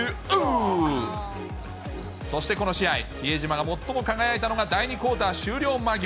そしてこの試合、比江島が最も輝いたのが第２クオーター終了間際。